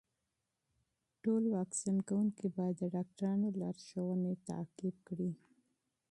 ټول واکسین کوونکي باید د ډاکټرانو لارښوونې تعقیب کړي.